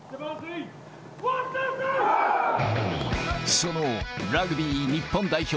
そのラグビー日本代表。